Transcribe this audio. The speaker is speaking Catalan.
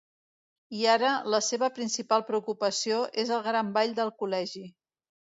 I ara, la seva principal preocupació és el gran ball del col·legi.